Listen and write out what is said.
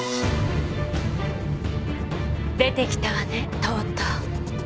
出てきたわねとうとう。